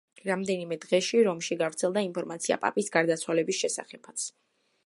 რამდენიმე დღეში რომში გავრცელდა ინფორმაცია პაპის გარდაცვალების შესახებაც.